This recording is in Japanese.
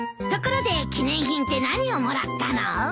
ところで記念品って何をもらったの？